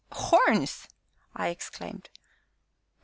"Horns!" I exclaimed.